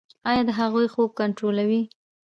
ایا د هغوی خوب کنټرولوئ؟